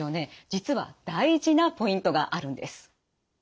実は大事なポイントがあるんです。